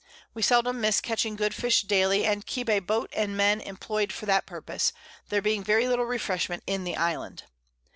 We seldom miss catching good Fish daily, and keep a Boat and Men imploy'd for that purpose, there being very little Refreshment in the Island.